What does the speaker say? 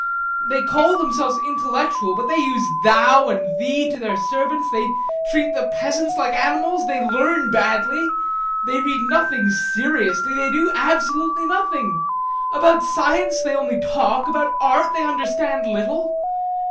They call themselves intellectuals, but they use "thou" and "thee" to their servants, they treat the peasants like animals, they learn badly, they read nothing seriously, they do absolutely nothing, about science they only talk, about art they understand little.